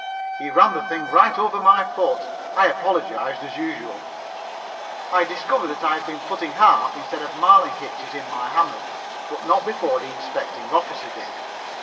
He ran the thing right over my foot. I apologized, as usual. I discovered that I have been putting half instead of marlin hitches in my hammock, but not before the inspecting officer did.